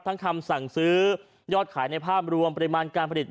คำสั่งซื้อยอดขายในภาพรวมปริมาณการผลิต